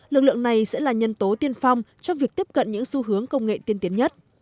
lực lượng này sẽ là nhân tố tiên phong trong việc tiếp cận những xu hướng công nghệ tiên tiến nhất